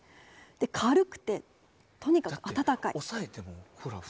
軽くてとにかく暖かい。